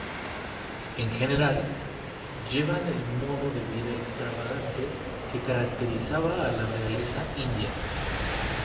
En general, llevaban el modo de vida extravagante que caracterizaba a la realeza india.